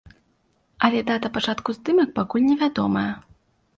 Але дата пачатку здымак пакуль не вядомая.